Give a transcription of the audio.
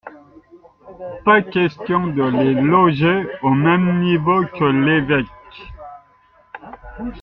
Pas question de les loger au même niveau que l'évêque.